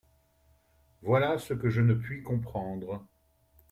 Voilà ce que je ne puis comprendre.